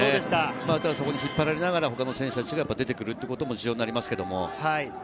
そこに引っ張られながらほかの選手達が出てくるのも重要になりますが。